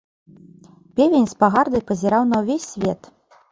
Певень з пагардай пазіраў на ўвесь свет.